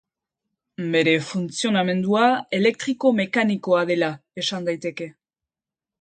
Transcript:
Bere funtzionamendua elektriko-mekanikoa dela esan daiteke.